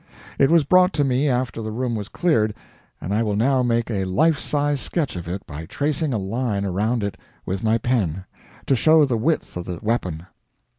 It was brought to me after the room was cleared, and I will now make a "life size" sketch of it by tracing a line around it with my pen, to show the width of the weapon.